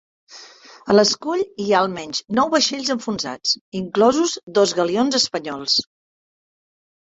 A l'escull hi ha almenys nou vaixells enfonsats, inclosos dos galions espanyols.